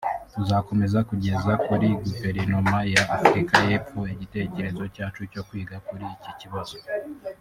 tuzakomeza kugeza kuri Guverinoma ya Afurika y’Epfo igitekerezo cyacu cyo kwiga kuri iki kibazo